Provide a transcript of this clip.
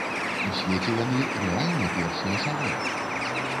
У свеце яны рэальна першы эшалон!